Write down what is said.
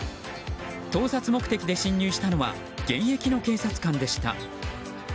盗撮目的で侵入したのは現役の警察官でした。